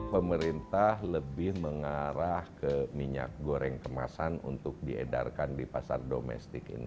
pemerintah lebih mengarah ke minyak goreng kemasan untuk diedarkan di pasar domestik ini